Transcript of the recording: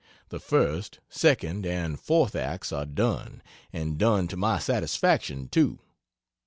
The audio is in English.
The first, second and fourth acts are done, and done to my satisfaction, too.